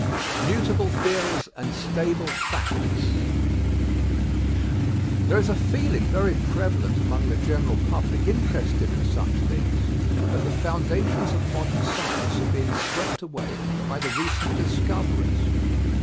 MUTABLE THEORIES AND STABLE FACTS There is a feeling very prevalent among the gen eral public interested in such things that the founda tions of modern science are being swept away by the /ecent discoveries.